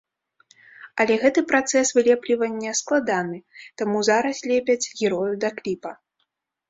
Але гэты працэс вылеплівання складаны, таму зараз лепяць герояў да кліпа.